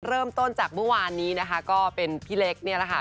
เริ่มต้นจากเมื่อวานนี้นะคะก็เป็นพี่เล็กเนี่ยแหละค่ะ